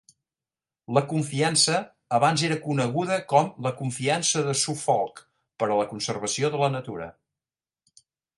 La confiança abans era coneguda com la confiança de Suffolk per a la conservació de la natura.